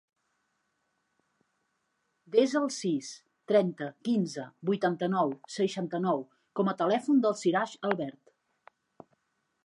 Desa el sis, trenta, quinze, vuitanta-nou, seixanta-nou com a telèfon del Siraj Albert.